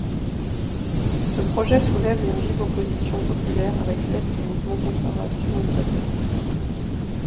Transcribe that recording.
Ce projet soulève une vive opposition populaire avec l'aide du mouvement conservation du patrimoine.